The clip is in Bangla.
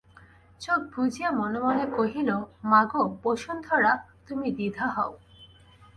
চোখ বুজিয়া মনে মনে কহিল, মা গো, বসুন্ধরা, তুমি দ্বিধা হও।